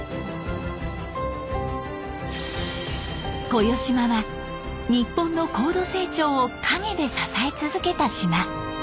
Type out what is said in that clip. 小与島は日本の高度成長を陰で支え続けた島。